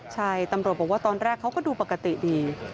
ใช่ตำรวจบอกว่าตอนแรกเขาก็ดูปกติดี